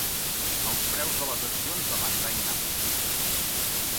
Els preus de les accions de Bandai Namco.